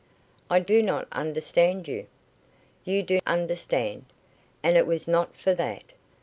"I do not understand you." "You do understand. And it was not for that.